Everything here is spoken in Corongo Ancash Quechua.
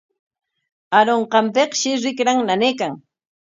Arunqanpikshi rikran nanaykan.